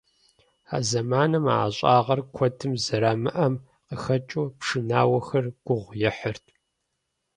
А зэманым а ӀэщӀагъэр куэдым зэрамыӀэм къыхэкӀыу, пшынауэхэр гугъу ехьырт.